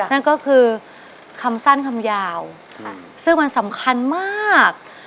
นั่นก็คือคำสั้นคำยาวซึ่งมันสำคัญมาก